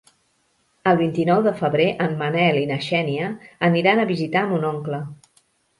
El vint-i-nou de febrer en Manel i na Xènia aniran a visitar mon oncle.